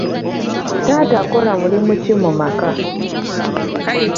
Taata akola mulimu ki mu maka?